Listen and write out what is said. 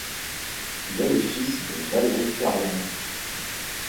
Il est le fils de Valeri Kharlamov.